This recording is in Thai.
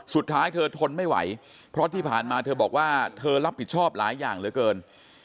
สุดท้ายเธอทนไม่ไหวเพราะที่ผ่านมาเธอบอกว่าเธอรับผิดชอบหลายอย่างเหลือเกิน